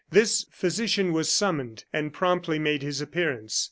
This physician was summoned, and promptly made his appearance.